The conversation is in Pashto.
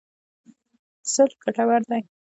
صلح ګټور دی.